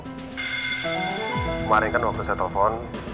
kemarin kan waktu saya telepon